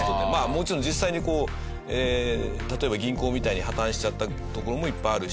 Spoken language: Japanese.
もちろん実際に例えば銀行みたいに破綻しちゃったところもいっぱいあるし。